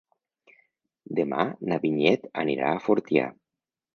Demà na Vinyet anirà a Fortià.